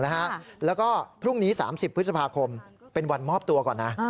แล้วก็พรุ่งนี้๓๐พฤษภาคมเป็นวันมอบตัวก่อนนะ